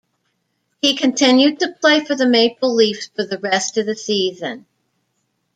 He continued to play for the Maple Leafs for the rest of the season.